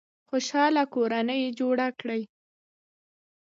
خوشحاله کورنۍ جوړه کړئ